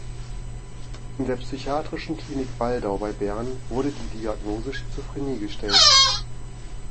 In der Psychiatrischen Klinik Waldau bei Bern wurde die Diagnose Schizophrenie gestellt.